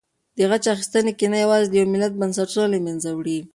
د غچ اخیستنې کینه یوازې د یو ملت بنسټونه له منځه وړي.